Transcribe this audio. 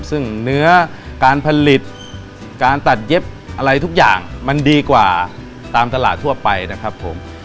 ซึ่งเนื้อการผลิตการตัดเย็บมันดีกว่าตามตลาดทั่วไปน่ะครับ